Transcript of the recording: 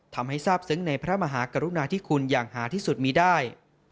ทำให้ทราบซึ้งในพระมหากรุณาที่คุณอย่างหาที่สุดมีได้